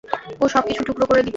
ও সবকিছু টুকরো করে দিচ্ছে।